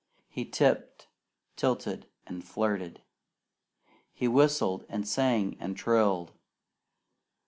He tipped, tilted, and flirted. He whistled, and sang, and trilled.